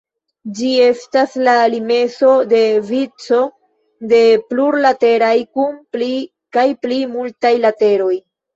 Ĝi estas la limeso de vico de plurlateroj kun pli kaj pli multaj lateroj.